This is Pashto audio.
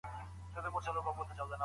دوی له تخصص څخه کار اخلي.